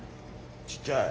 ちっちゃい。